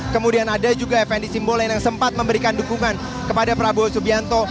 kemudian ada juga fnd simbolon yang sempat memberikan dukungan kepada prabowo subianto